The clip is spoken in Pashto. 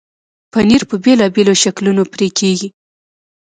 پنېر په بېلابېلو شکلونو پرې کېږي.